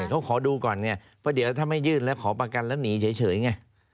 เขาขอดูก่อนไงเพราะเดี๋ยวถ้าไม่ยื่นแล้วขอประกันแล้วหนีเฉยไง